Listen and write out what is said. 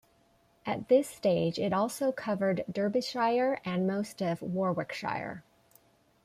At this stage it also covered Derbyshire and most of Warwickshire.